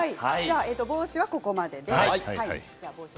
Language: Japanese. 帽子はここまでです。